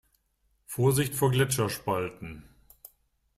Vorsicht vor Gletscherspalten!